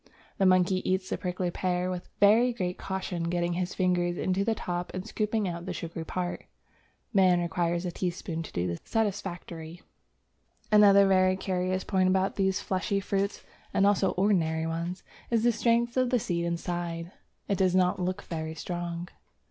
The monkey eats the prickly pear with very great caution, getting his fingers into the top and scooping out the sugary part. Man requires a teaspoon to do this satisfactorily. Another very curious point about these fleshy fruits (and also ordinary ones) is the strength of the seed inside. It does not look very strong.